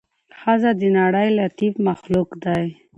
ښځه د نړۍ لطيف مخلوق دې